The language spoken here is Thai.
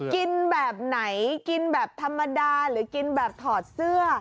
กินแบบไหนกินแบบธรรมดาหรือกินแบบถอดเสื้อ